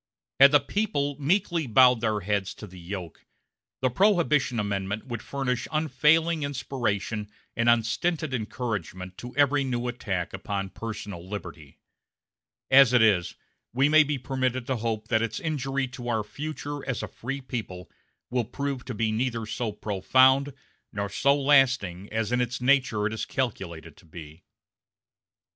Had the people meekly bowed their heads to the yoke, the Prohibition Amendment would furnish unfailing inspiration and unstinted encouragement to every new attack upon personal liberty; as it is, we may be permitted to hope that its injury to our future as a free people will prove to be neither so profound nor so lasting as in its nature it is calculated to be.